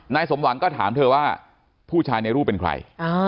สมหวังก็ถามเธอว่าผู้ชายในรูปเป็นใคร